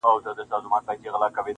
پلار د شپې بې خوبه وي,